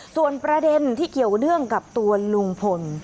ส่วนประเด็นที่เกี่ยวเนื่องกับตัวลุงพล